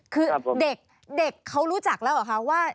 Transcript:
คือเด็กเขารู้จักแล้วเหรอคะว่า